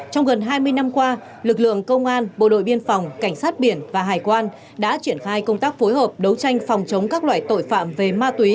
trong gần hai mươi năm qua lực lượng công an bộ đội biên phòng cảnh sát biển và hải quan đã triển khai công tác phối hợp đấu tranh phòng chống các loại tội phạm về ma túy